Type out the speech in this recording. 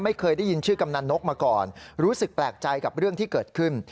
ไม่เคยได้ยินชื่อกำนันนกมาก่อนรู้สึกแปลกใจกับเรื่องที่เกิดขึ้น